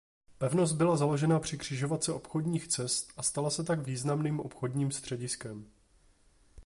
Pevnost byla založena při křižovatce obchodních cest a stala se tak významným obchodním střediskem.